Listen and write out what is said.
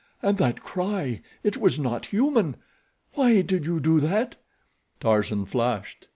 And that cry—it was not human. Why did you do that?" Tarzan flushed.